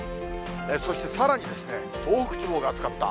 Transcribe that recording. そして、さらに東北地方が暑かった。